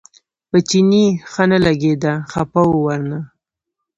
په چیني ښه نه لګېده خپه و ورنه.